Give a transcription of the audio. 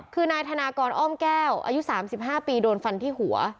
คือนายธนากรอ้อมแก้วอายุ๓๕ปีโดนฟันที่หัว